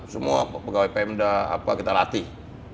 semua pegawai pemda kita latih